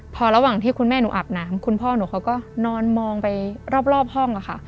พอระหว่างที่คุณแม่หนูอาบน้ำคุณพ่อหนูเขาก็นอนมองไปรอบห้องค่ะ